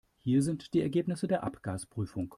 Hier sind die Ergebnisse der Abgasprüfung.